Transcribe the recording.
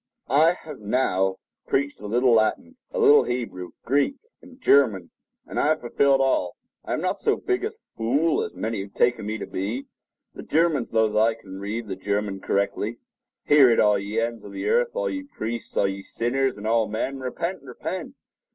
I have now preached a little Latin, a little Hebrew, Greek, and German; and I have fulfilled all. I am not so big a fool as many have taken me to be. The Germans know that I read the German correctly. A Call to Repentance[edit] Hear it, all ye ends of the earth—all ye priests, all ye sinners, and all men. Repent! repent!